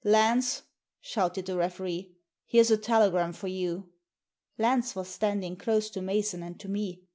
•* Lance," shouted the referee, "here's a tel^ram for you." Lance was standing close to Mason and to me.